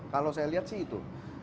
kalau saya lihat sih itu